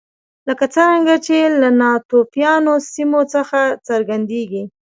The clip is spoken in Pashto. لکه څرنګه چې له ناتوفیانو سیمو څخه څرګندېږي